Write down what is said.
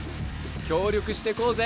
協力してこうぜ。